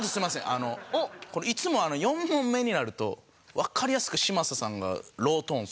あのいつも４問目になるとわかりやすく嶋佐さんがロートーン。